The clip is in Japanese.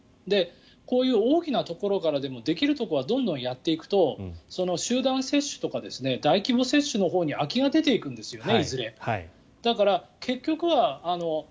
こういう大きなところからでもできるところはどんどんやっていくと集団接種とか大規模接種のほうにいずれ空きが出ていくんですね。